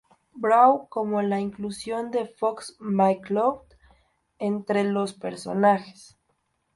Brawl, como la inclusión de Fox McCloud entre los personajes.